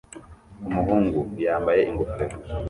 Umuhungu yambaye ingofero